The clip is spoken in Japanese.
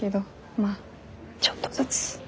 まあちょっとずつ。